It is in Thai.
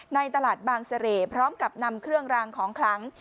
ในตลาดบางเสร่พร้อมกับนำเครื่องรางของคลัง